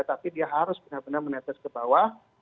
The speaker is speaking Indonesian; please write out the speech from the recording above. tapi dia harus benar benar menetes ke bawah